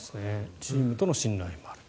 チームとの信頼もある。